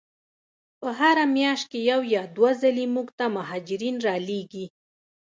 په هره میاشت کې یو یا دوه ځلې موږ ته مهاجرین را لیږي.